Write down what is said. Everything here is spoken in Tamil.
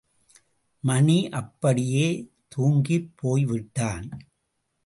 மணி, அப்படியே தூங்கிப் போய் விட்டான்.